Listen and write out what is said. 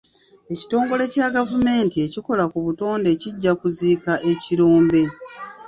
Ekitongole kya gavumenti ekikola ku butonde kijja kuziika ekirombe.